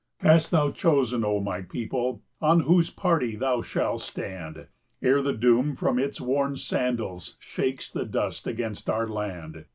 25 Hast thou chosen, O my people, on whose party thou shall stand, Ere the Doom from its worn sandals shakes the dust against our land?